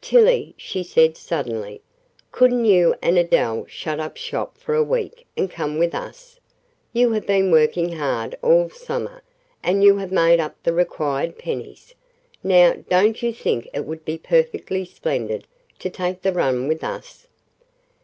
"Tillie," she said suddenly, "couldn't you and Adele shut up shop for a week and come with us? You have been working hard all summer, and you have made up the required pennies. Now, don't you think it would be perfectly splendid to take the run with us?"